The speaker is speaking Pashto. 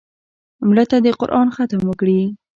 مړه ته د قرآن ختم وکړې